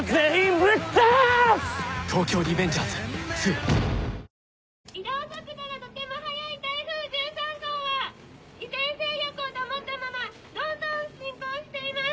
あ移動速度がとても速い台風１３号は依然勢力を保ったままどんどん進行しています。